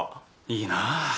いいなぁ。